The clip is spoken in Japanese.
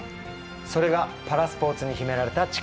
それがパラスポーツに秘められた力です。